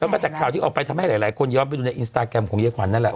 แล้วก็จากข่าวที่ออกไปทำให้หลายคนย้อนไปดูในอินสตาแกรมของยายขวัญนั่นแหละ